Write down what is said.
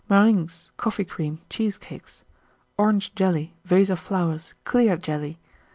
Meringues. Coffee Cream. Cheesecakes. Orange Jelly. Vase of Clear Jelly.